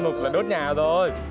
thì bạn nữ thấy sao